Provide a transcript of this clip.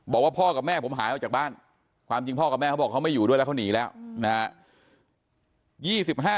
บอกว่าพ่อกับแม่ผมหายออกจากบ้านความจริงพ่อกับแม่เขาบอกเขาไม่อยู่ด้วยแล้วเขาหนีแล้วนะฮะ